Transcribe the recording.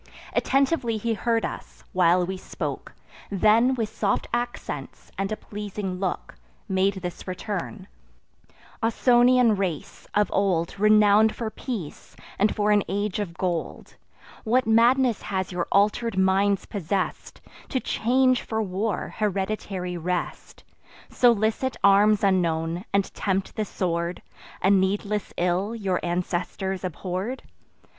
Attentively he heard us, while we spoke; Then, with soft accents, and a pleasing look, Made this return: 'Ausonian race, of old Renown'd for peace, and for an age of gold, What madness has your alter'd minds possess'd, To change for war hereditary rest, Solicit arms unknown, and tempt the sword, A needless ill your ancestors abhorr'd?